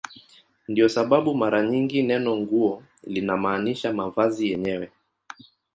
Ndiyo sababu mara nyingi neno "nguo" linamaanisha mavazi yenyewe.